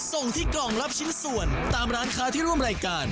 ส่งที่กล่องรับชิ้นส่วนตามร้านค้าที่ร่วมรายการ